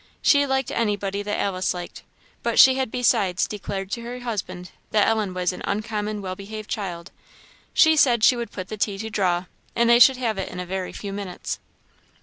She liked anybody that Alice liked, but she had besides declared to her husband that Ellen was "an uncommon well behaved child." She said she would put the tea to draw, and they should have it in a very few minutes.